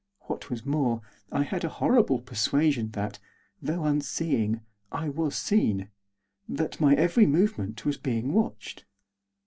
What was more, I had a horrible persuasion that, though unseeing, I was seen; that my every movement was being watched.